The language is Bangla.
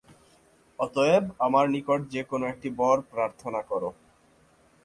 অতএব আমার নিকট যে কোন একটি বর প্রার্থনা কর।